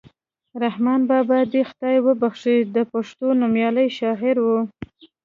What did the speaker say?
رحمان بابا دې یې خدای وبښي د پښتو نومیالی شاعر ؤ.